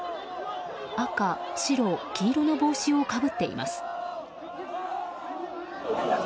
赤、白、黄色の帽子をかぶっています。